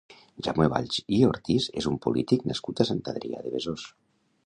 Jaume Valls i Ortiz és un polític nascut a Sant Adrià de Besòs.